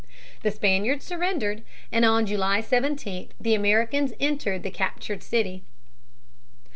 The Spaniards surrendered, and on July 17 the Americans entered the captured city.